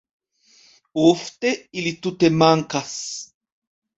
Ofte ili tute mankas.